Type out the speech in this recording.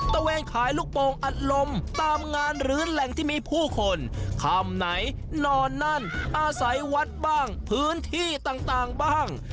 เวนขายลูกโป่งอัดลมตามงานหรือแหล่งที่มีผู้คนคำไหนนอนนั่นอาศัยวัดบ้างพื้นที่ต่างบ้าง